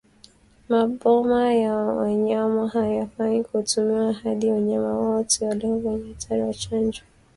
Maboma ya wanyama hayafai kutumiwa hadi wanyama wote walio kwenye hatari wachanjwe